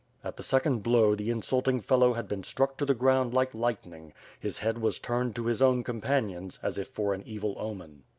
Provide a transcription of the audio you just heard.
At the second blow, the insulting fellow had been struck to the ground like lightning. His head was turned to his own companions, as if for an evil omen.